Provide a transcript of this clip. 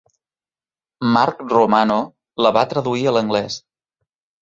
Marc Romano la va traduir a l'anglès.